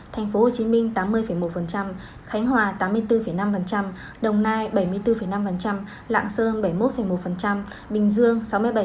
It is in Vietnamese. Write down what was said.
tp hcm tám mươi một khánh hòa tám mươi bốn năm đồng nai bảy mươi bốn năm lạng sơn bảy mươi một một bình dương sáu mươi bảy